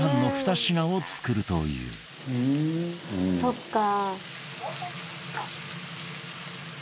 「そっか」